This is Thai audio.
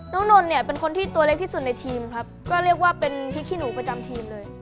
นนท์เนี่ยเป็นคนที่ตัวเล็กที่สุดในทีมครับก็เรียกว่าเป็นพริกขี้หนูประจำทีมเลย